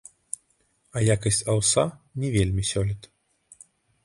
А якасць аўса не вельмі сёлета.